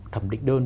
thẩm định đơn